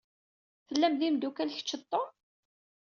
Tellam d imeddukal kečč d Tum?